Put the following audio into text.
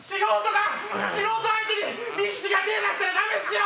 素人相手に力士が手を出したらダメっすよ！